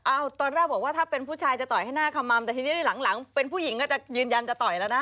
ตอนแรกบอกว่าถ้าเป็นผู้ชายจะต่อยให้หน้าขมัมแต่ทีนี้หลังเป็นผู้หญิงก็จะยืนยันจะต่อยแล้วนะ